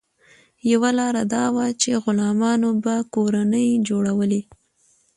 یوه لار دا وه چې غلامانو به کورنۍ جوړولې.